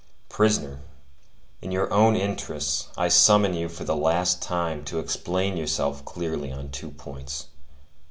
Prisoner, in your own interests, I summon you for the last time to explain yourself clearly on two points.